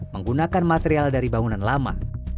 menggunakan material dari bangunan lama